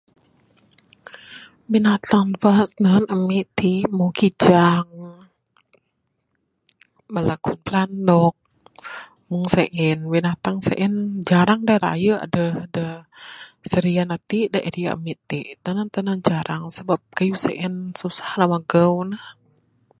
Binatang bahas nehan amik tik mung kijang, bala ko pelandok mung sa'en. Binatang sa'en jarang ne rayu aduh da Serian ati', da area ami' ti' tanan tanan jarang sebab kayuh si'en susah ra magau ne.